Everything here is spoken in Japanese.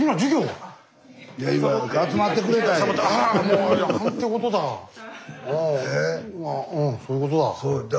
うんそういうことだ。